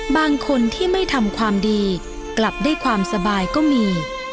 บางคนที่ไม่ทำความดีกลับได้ความสบายก็มี